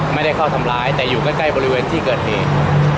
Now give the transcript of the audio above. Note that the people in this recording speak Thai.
ไม่ได้เข้าทำร้ายแต่อยู่ใกล้บริเวณที่เกิดเหตุ